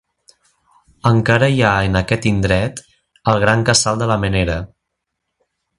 Encara hi ha en aquest indret el gran casal de la Menera.